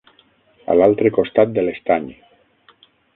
A l'altre costat de l'estany.